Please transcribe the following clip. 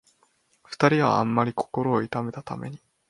二人はあんまり心を痛めたために、